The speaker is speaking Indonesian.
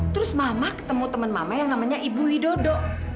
terus mama ketemu teman mama yang namanya ibu widodo